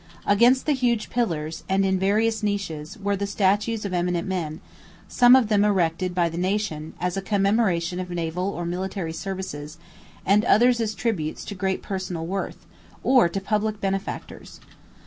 Against the huge pillars, and in various niches, were the statues of eminent men; some of them erected by the nation, as a commemoration of naval or military services, and others as tributes to great personal worth, or to public benefactors.